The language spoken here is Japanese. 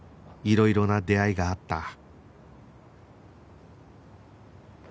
いろいろな出会いがあった